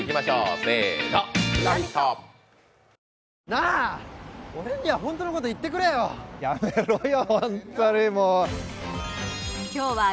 なあ俺にはホントのこと言ってくれよやめろよ